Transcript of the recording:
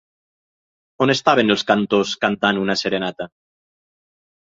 On estaven els cantors cantant una serenata?